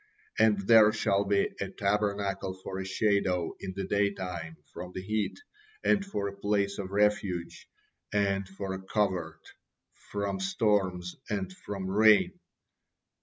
And there shall be a tabernacle for a shadow in the daytime from the heat, and for a place of refuge, and for a covert, from storms and from rain.'"